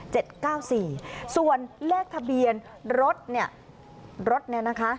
เก้าสี่ส่วนเลขทะเบียนรถเนี่ยรถเนี่ยนะคะ